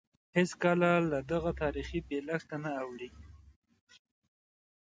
هېڅکله له دغه تاریخي بېلښته نه اوړي.